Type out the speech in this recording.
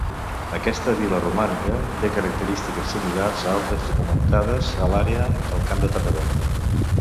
Aquesta vila romana té característiques similars a altres documentades a l’àrea del camp de Tarragona.